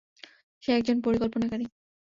সে একজন পরিকল্পনাকারী।